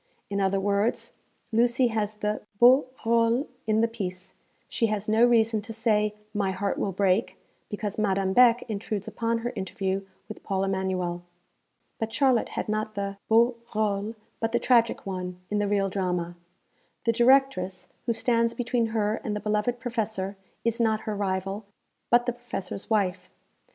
In other words, Lucy has the beau rôle in the piece, she has no reason to say, 'My heart will break,' because Madame Beck intrudes upon her interview with Paul Emanuel. But Charlotte had not the beau rôle, but the tragic one, in the real drama. The Directress, who stands between her and the beloved Professor, is not her rival, but the Professor's wife.